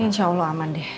ya insyaallah aman deh